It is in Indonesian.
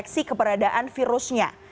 deteksi keberadaan virusnya